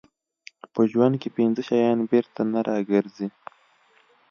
په ژوند کې پنځه شیان بېرته نه راګرځي.